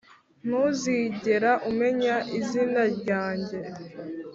ntuzigera umenya izina ryanjye.